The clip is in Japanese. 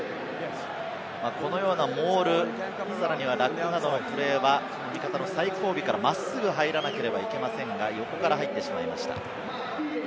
このようなモール、さらにはラックなどのプレーは味方の最後尾から真っすぐ入らなければいけませんが横から入ってしまいました。